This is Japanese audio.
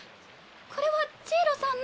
これはジイロさんの。